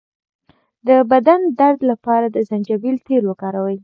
د بدن درد لپاره د زنجبیل تېل وکاروئ